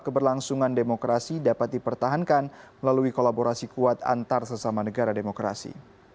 keberlangsungan demokrasi dapat dipertahankan melalui kolaborasi kuat antar sesama negara demokrasi